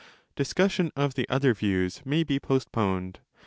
299° Discussion of the other views may be postponed.